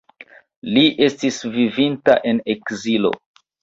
Li estis vivinta en ekzilo.